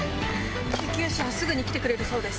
救急車すぐ来てくれるそうです。